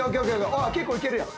結構いけるやん。